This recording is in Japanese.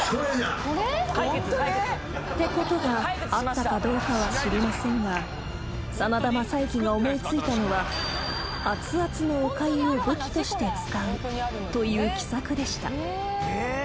［ってことがあったかどうかは知りませんが真田昌幸が思い付いたのはあつあつのおかゆを武器として使うという奇策でした］